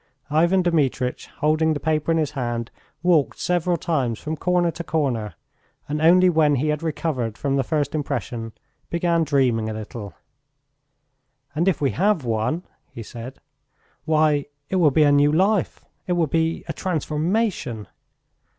Ivan Dmitritch, holding the paper in his hand, walked several times from corner to corner, and only when he had recovered from the first impression began dreaming a little. "And if we have won," he said "why, it will be a new life, it will be a transformation!